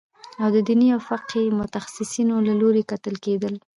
د دیني او فقهي متخصصینو له لوري کتل کېدل.